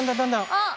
あっ。